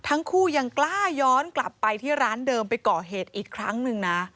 ทั้งคู่ยังกล้าย้อนกลับไปที่ร้านเดิมไปก่อเหตุอีกครั้งหนึ่งนะ